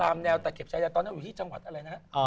ตามแนวตะเข็บใช้แต่ตอนนั้นอยู่ที่จังหวัดอะไรนะ